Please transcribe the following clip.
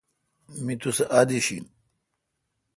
می تو سہ ادیش این۔